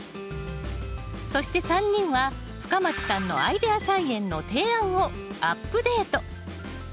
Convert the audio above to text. そして３人は深町さんのアイデア菜園の提案をアップデート。